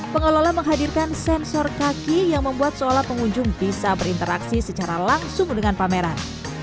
pengelola menghadirkan sensor kaki yang membuat seolah pengunjung bisa berinteraksi secara langsung dengan pameran